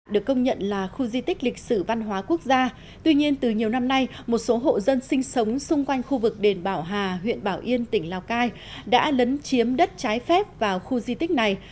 được công nhận là khu di tích lịch sử văn hóa quốc gia tuy nhiên từ nhiều năm nay một số hộ dân sinh sống xung quanh khu vực đền bảo hà huyện bảo yên tỉnh lào cai đã lấn chiếm đất trái phép vào khu di tích này